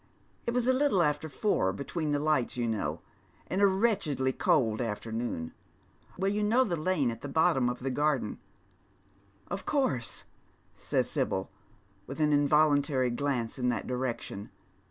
It was a little after four, l)etween the lights, you know, and a wi etchedly cold afternoon. Well, you know the lane at the bottom of the garden "" Of course," says Sibyl, with an involuntary glance in that direction.